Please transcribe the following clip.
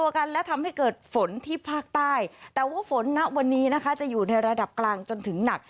วันนี้นะคะจะอยู่ในระดับกลางจนถึงหนัก